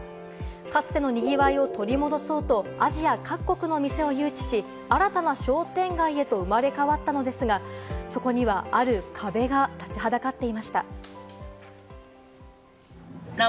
かつての賑わいを取り戻そうと、アジア各国の店を誘致し、新たな商店街へと生まれ変わったのですが、そこにはある壁が立ちはだかっていました。